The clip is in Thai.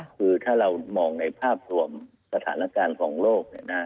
คือถ้าเรามองในภาพรวมสถานการณ์ของโลก